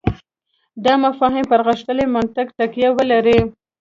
دا مفاهیم پر غښتلي منطق تکیه ولري.